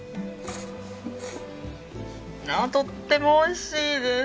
とっても美味しいです。